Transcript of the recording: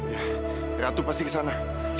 ya ya atuh pasti ke sana